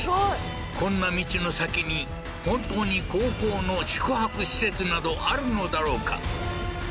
こんな道の先に本当に高校の宿泊施設などあるのだろうか？